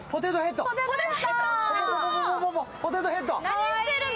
何してるの？